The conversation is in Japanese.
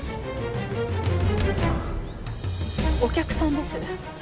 あお客さんです。